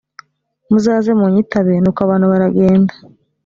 muzaze munyitabe nuko abantu baragenda